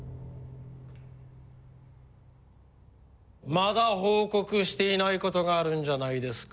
まだ報告していない事があるんじゃないですか？